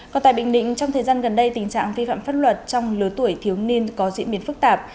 còn tại bình định trong thời gian gần đây tình trạng vi phạm pháp luật trong lứa tuổi thiếu niên có diễn biến phức tạp